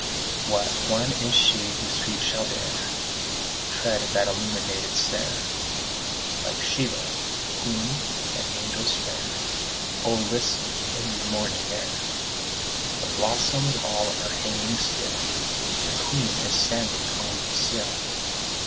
What one is she whose feet shall dare Tread that illuminated stair? Like Sheba, queen; like angels, fair? Oh listen! In the morning air The blossoms all are hanging still The queen is standing on the sill.